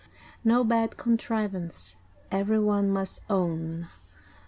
No bad contrivance, every one must own.